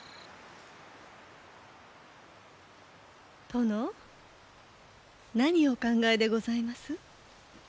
殿何をお考えでございます？